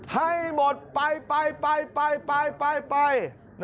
ให้หมดไป